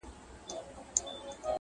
زرافه چي په هر ځای کي وه ولاړه!.